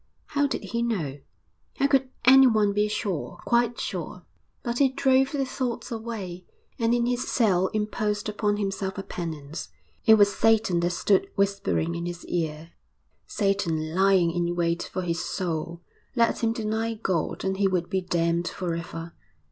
How did he know? How could anyone be sure, quite sure? But he drove the thoughts away, and in his cell imposed upon himself a penance. It was Satan that stood whispering in his ear, Satan lying in wait for his soul; let him deny God and he would be damned for ever.